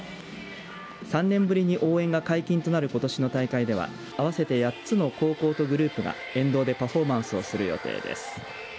３年ぶりに応援が解禁となることしの大会では合わせて８つの高校とグループが沿道でパフォーマンスをする予定です。